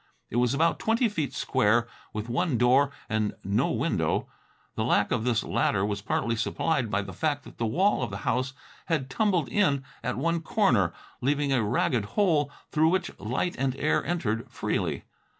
It was about twenty feet square, with one door and no window. The lack of this latter was partly supplied by the fact that the wall of the house had tumbled in at one corner, leaving a ragged hole through which light and air entered freely.